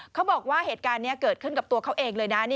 เขาบอกว่าเหตุการณ์นี้เกิดขึ้นกับตัวเขาเองเลยนะ